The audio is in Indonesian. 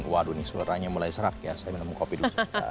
waduh ini suaranya mulai serak ya saya menemukan kopi dulu